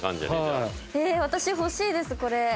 私、欲しいです、これ。